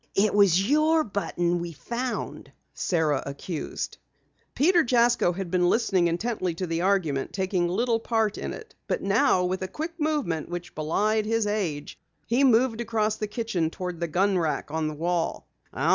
"It was your button we found," Sara accused. Peter Jasko had been listening intently to the argument, taking little part in it. But now, with a quick movement which belied his age, he moved across the kitchen toward the gun rack on the wall.